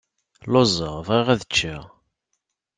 Lluẓeɣ, bɣiɣ ad ččeɣ.